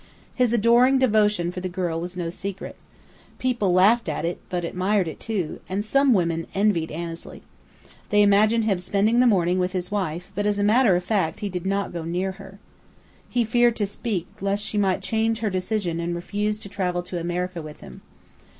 His adoring devotion for the girl was no secret. People laughed at it, but admired it, too, and some women envied Annesley. They imagined him spending the morning with his wife, but as a matter of fact he did not go near her. He feared to speak lest she might change her decision and refuse to travel to America with him.